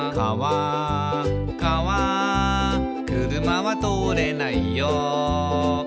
「かわ車は通れないよ」